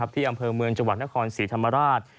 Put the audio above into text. ที่อำเภอเมืองจังหวัดนครศรีธรรมราช